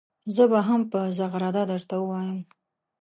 زه به هم په زغرده درته ووایم.